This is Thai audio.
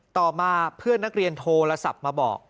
ต่อมาเพื่อนนักเรียนโทรศัพท์มาบอก